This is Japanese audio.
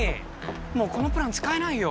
もうこのプラン使えないよ